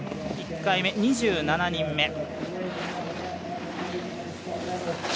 １回目、２７人目。